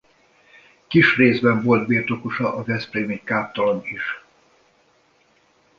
Kis részben volt birtokosa a veszprémi káptalan is.